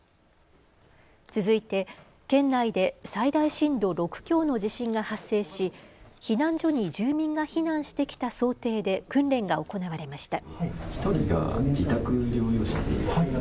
続いて県内で最大震度６強の地震が発生し避難所に住民が避難してきた想定で訓練が行われました。